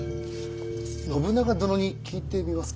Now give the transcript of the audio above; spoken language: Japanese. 信長殿に聞いてみますか？